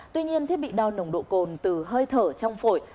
tuy nhiên thiết bị đo nồng độ cồn từ hơi thở trong phổi